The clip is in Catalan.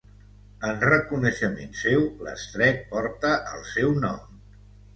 En reconeixement seu l'estret porta el seu nom.